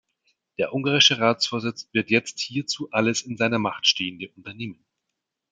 Der ungarische Ratsvorsitz wird jetzt hierzu alles in seiner Macht stehende unternehmen.